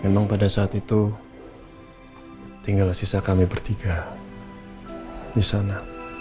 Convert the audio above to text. memang pada saat itu tinggal sisa kami bertiga di sana